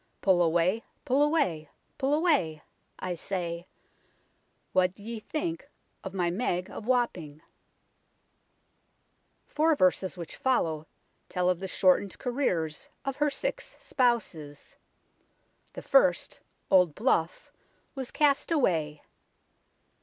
Pull away, pull away, pull away 1 I say ; What d'ye think of my Meg of Wapping ?" Four verses which follow tell of the shortened careers of her six spouses. The first, Old Bluff, was cast away.